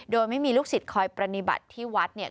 โดยไม่มีลูกศิษย์คอยปฏิบัติที่วัดเนี่ย